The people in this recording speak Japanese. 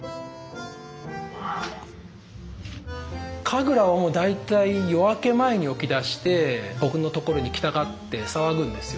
カグラはもう大体夜明け前に起きだして僕の所に来たがって騒ぐんですよ。